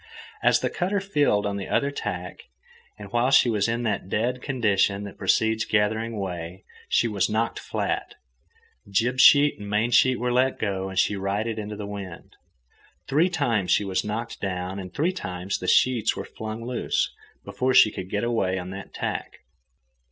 As the cutter filled on the other tack, and while she was in that "dead" condition that precedes gathering way, she was knocked flat. Jib sheet and main sheet were let go, and she righted into the wind. Three times she was knocked down, and three times the sheets were flung loose, before she could get away on that tack.